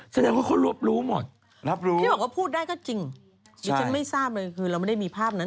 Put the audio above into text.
แสดงว่าเขารวบรู้หมดรับรู้ที่บอกว่าพูดได้ก็จริงดิฉันไม่ทราบเลยคือเราไม่ได้มีภาพนั้น